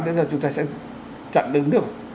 bây giờ chúng ta sẽ chặn đứng được